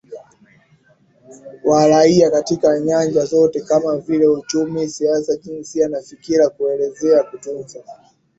wa raia katika nyanja zote kama vile uchumi siasa jinsia na Fikra Kuelezea kutunza